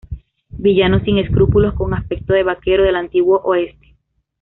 Villano sin escrúpulos con aspecto de vaquero del antiguo oeste.